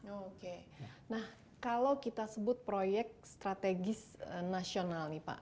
oke nah kalau kita sebut proyek strategis nasional nih pak